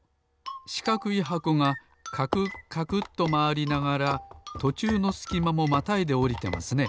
しかくい箱がカクカクとまわりながらとちゅうのすきまもまたいでおりてますね。